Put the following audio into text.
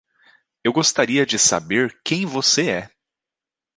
Eu gostaria de saber quem você é.